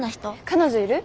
彼女いる？